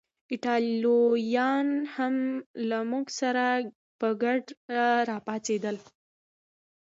ایټالویان هم له موږ سره په ګډه راپاڅېدل.